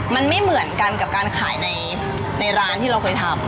มันไม่เหมือนกันกับการขายในร้านที่เราเคยทำ